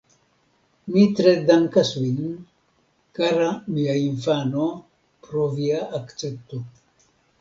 Mi tre dankas vin, kara mia infano pro via akcepto.